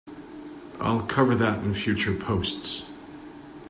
I'll cover that in future posts!